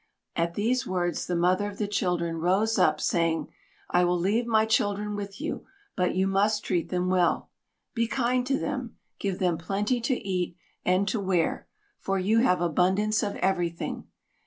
At these words the mother of the children rose up, saying, "I will leave my children with you; but you must treat them well. Be kind to them, give them plenty to eat and to wear, for you have abundance of everything.